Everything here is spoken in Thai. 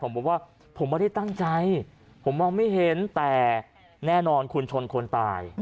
ผมบอกว่าผมไม่ได้ตั้งใจผมมองไม่เห็นแต่แน่นอนคุณชนคนตาย